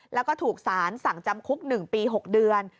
แล้วก็ถูกสารสั่งจำคุก๑ปี๖เดือน